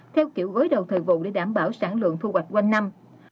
theo kiểu gối đầu thời vụ để đảm bảo sản lượng thu hoạch quanh năm